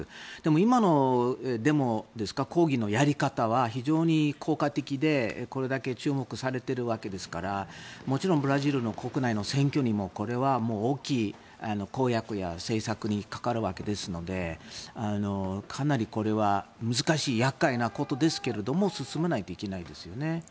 今のデモ、抗議のやり方は非常に効果的でこれだけ注目されているわけですからもちろんブラジル国内の選挙にもこれは大きい公約や政策に関わるわけですのでかなりこれは難しい厄介なことですけども進めないといけないですよね。